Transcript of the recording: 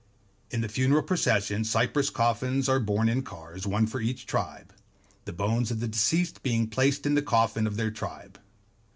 In the funeral procession cypress coffins are borne in cars, one for each tribe; the bones of the deceased being placed in the coffin of their tribe.